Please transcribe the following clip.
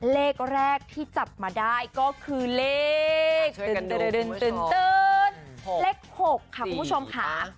เลขแรกที่จับมาได้ก็คือเลขตึ๊ดเลข๖ค่ะคุณผู้ชมค่ะ